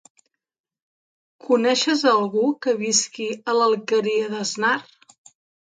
Coneixes algú que visqui a l'Alqueria d'Asnar?